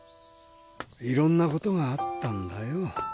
いろんな事があったんだよ。